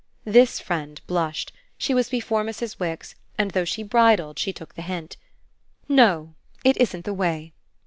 This friend blushed; she was before Mrs. Wix, and though she bridled she took the hint. "No it isn't the way."